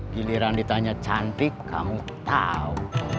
giliran ditanya cantik kamu tahu